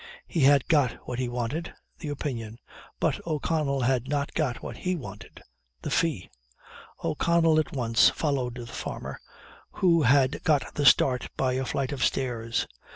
He had got what he wanted the opinion; but O'Connell had not got what he wanted the fee. O'Connell at once followed the farmer, who had got the start by a flight of stairs.